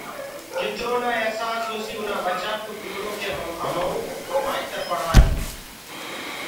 ڪترو نآ اهسآس هوسيٚ اُنآ ٻچآنٚڪو تِمرو ڪي مآئترهمآئون پڙهآني